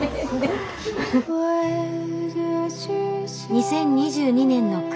２０２２年の暮れ。